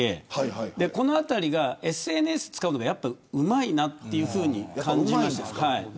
このあたりがＳＮＳ使うのがうまいなというふうに感じます。